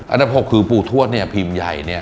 อันดับ๖คือปู่ทวดเนี่ยพิมพ์ใหญ่เนี่ย